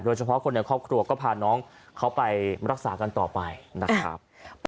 เฉพาะคนในครอบครัวก็พาน้องเขาไปรักษากันต่อไปนะครับ